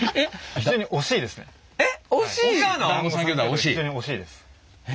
非常に惜しいですね。